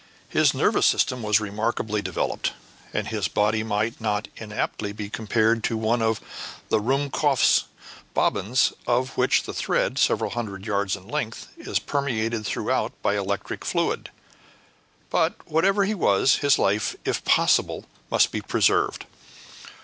His nervous system was remarkably developed, and his body might not inaptly be compared to one of the Rhumkorff's bobbins of which the thread, several hundred yards in length, is permeated throughout by electric fluid. But whatever he was, his life, if possible, must be preserved.